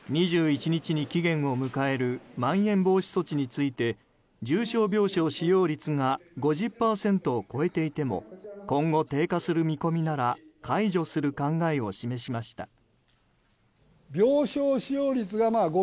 ２１日に期限を迎えるまん延防止措置について重症病床使用率が５０％を超えていても今後、低下する見込みなら解除する考えを示しました。